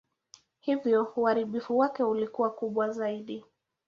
Hivyo uharibifu wake ulikuwa kubwa zaidi.